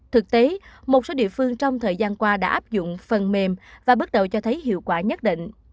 thực tế một số địa phương trong thời gian qua đã áp dụng phần mềm và bước đầu cho thấy hiệu quả nhất định